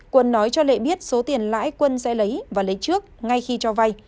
quân nói cho lệ biết số tiền lãi quân sẽ lấy và lấy trước ngay khi cho vay